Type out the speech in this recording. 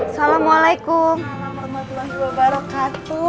assalamualaikum warahmatullahi wabarakatuh